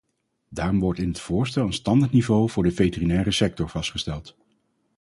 Daarom wordt in het voorstel een standaardniveau voor de veterinaire sector vastgesteld.